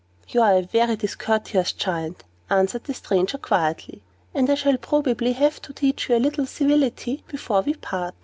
"You are a very discourteous Giant," answered the stranger quietly, "and I shall probably have to teach you a little civility, before we part.